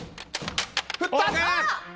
振った！